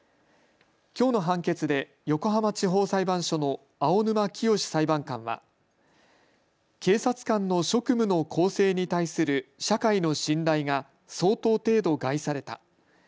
きょうの判決で横浜地方裁判所の青沼潔裁判官は警察官の職務の公正に対する社会の信頼が相当程度、害された。